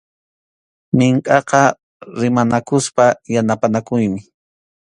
Minkʼaqa rimanakuspa yanapanakuymi.